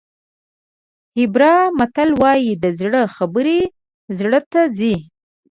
هیبرا متل وایي د زړه خبرې زړه ته ځي.